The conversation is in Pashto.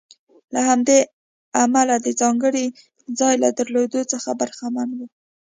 له همدې امله د ځانګړي ځای له درلودلو څخه برخمن و.